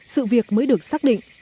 sự việc mới được xác định